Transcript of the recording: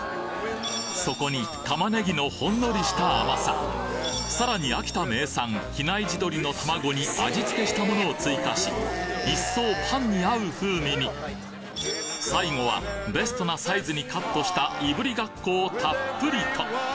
そこに玉ねぎのほんのりした甘さそらに秋田名産比内地鶏の卵に味付けしたものを追加しいっそうパンに合う風味に最後はベストなサイズにカットしたいぶりがっこをたっぷりと！